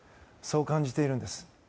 そう感じているんです。